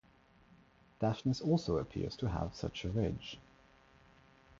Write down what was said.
Daphnis also appears to have such a ridge.